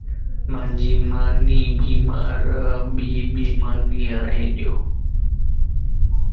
مانجي ناني بيمارَ